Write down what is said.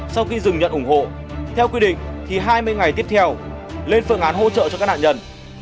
sau khi dừng nhận ủng hộ theo quy định thì hai mươi ngày tiếp theo lên phương án hỗ trợ cho các nạn nhân